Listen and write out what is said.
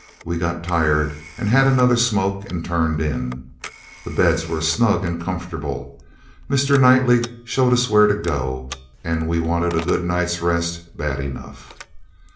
We got tired and had another smoke and turned in. The beds were snug and comfortable. Mr. Knightley showed us where to go, and we wanted a good night's rest bad enough.